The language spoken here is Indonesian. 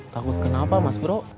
takut kenapa mas bro